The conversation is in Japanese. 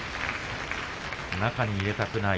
中に入れたくない